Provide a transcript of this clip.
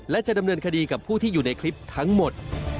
และจะดำเนินคดีกับผู้ที่อยู่ในคลิปทั้งหมด